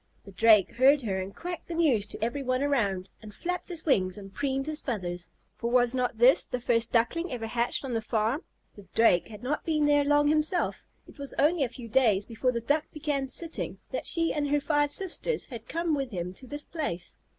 The Drake heard her and quacked the news to every one around, and flapped his wings, and preened his feathers, for was not this the first Duckling ever hatched on the farm? The Drake had not been there long himself. It was only a few days before the Duck began sitting that she and her five sisters had come with him to this place.